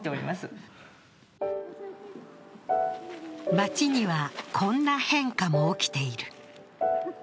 街にはこんな変化も起きている。